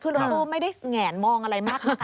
ขึ้นรถตู้ไม่ได้แหงนมองอะไรมาก